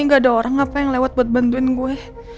gak ada orang apa yang lewat buat bantuin gue